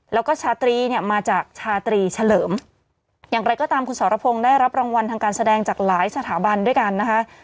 แล้วก็ชาตรีเนี่ยมาจากชาตรีเฉลิมอย่างไรก็ตามคุณสรพงศ์ได้รับรางวัลทางการแสดงจากหลายสถาบันด้วยกันนะคะ